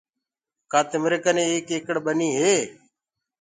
ڪآ تمرآ ڪني ايڪ ايڪڙ ٻني هي؟